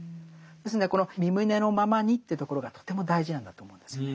ですんでこのみ旨のままにというところがとても大事なんだと思うんですよね。